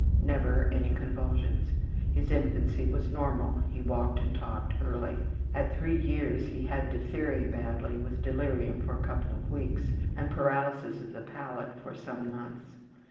Never any convulsions. His infancy was normal. He walked and talked early. At three years he had diphtheria badly with delirium for a couple of weeks and paralysis of the palate for some months.